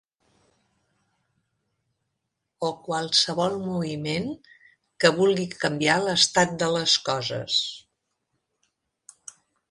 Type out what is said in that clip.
O qualsevol moviment que vulgui canviar l’estat de les coses.